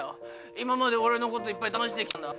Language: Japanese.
今まで俺のこといっぱいだましてきたんだ。